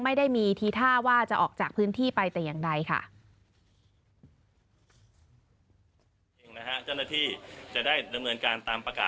ไม่ได้มีทีท่าว่าจะออกจากพื้นที่ไปแต่อย่างใดค่ะ